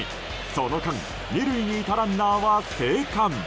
その間２塁にいたランナーは生還。